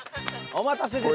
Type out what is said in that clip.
お待たせです。